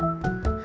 ya udah deh